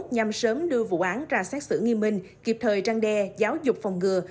nhằm sớm đưa vụ án ra xác xử nghi minh kịp thời trang đe giáo dục phòng ngừa